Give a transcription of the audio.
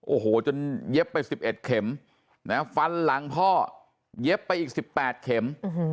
โอ้โหจนเย็บไป๑๑เข็มนะฟันหลังพ่อเย็บไปอีก๑๘เข็ม